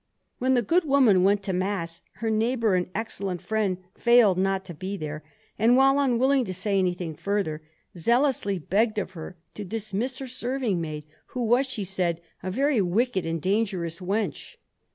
When the good woman went to mass, her neighbour and excellent friend failed not to be there, and, while unwilling to say anything further, zealously begged of her to dismiss her serving maid, who was, she said, a very wicked and dangerous wench.